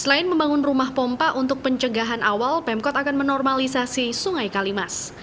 selain membangun rumah pompa untuk pencegahan awal pemkot akan menormalisasi sungai kalimas